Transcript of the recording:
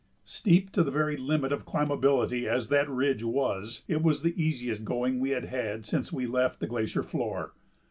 Steep to the very limit of climbability as that ridge was, it was the easiest going we had had since we left the glacier floor.